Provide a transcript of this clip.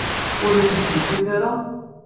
Ur asent-tt-id-yettak ara?